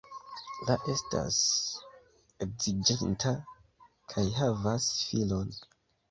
La estas edziĝinta kaj havas filon.